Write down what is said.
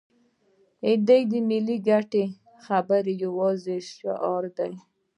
دوی د ملي ګټو خبرې یوازې شعار دي.